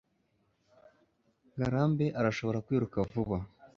ngarambe arashobora kwiruka vuba